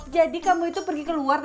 jadi kamu itu pergi keluar tadi